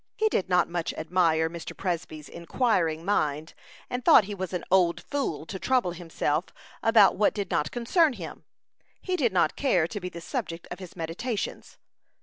He did not much admire Mr. Presby's inquiring mind, and thought he was an "old fool" to trouble himself about what did not concern him. He did not care to be the subject of his meditations.